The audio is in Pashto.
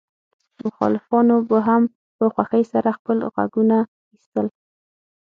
ملخانو به هم په خوښۍ سره خپل غږونه ایستل